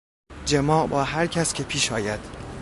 جماع با هر کس که پیش آید